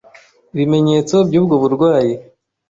ibimenyetso by' ubwo burwayi,